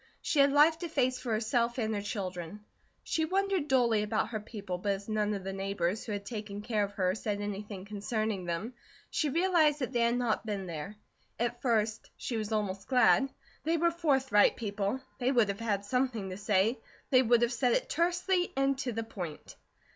She had life to face for herself and her children. She wondered dully about her people, but as none of the neighbours who had taken care of her said anything concerning them, she realized that they had not been there. At first she was almost glad. They were forthright people. They would have had something to say; they would have said it tersely and to the point.